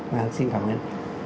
vâng xin cảm ơn